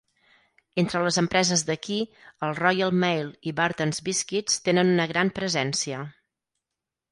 Entre les empreses d'aquí, el Royal Mail i Burtons Biscuits tenen una gran presència.